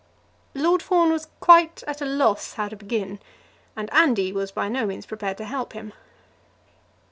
Lord Fawn was quite at a loss how to begin, and Andy was by no means prepared to help him.